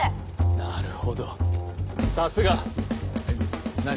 なるほどさすが。何？